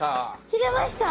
切れました？